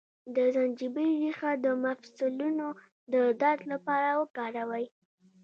د زنجبیل ریښه د مفصلونو د درد لپاره وکاروئ